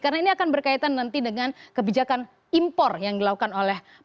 karena ini akan berkaitan nanti dengan kebijakan impor yang dilakukan oleh pemerintah